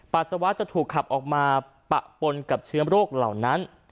ปัสสาวะจะถูกขับออกมาปะปนกับเชื้อโรคเหล่านั้น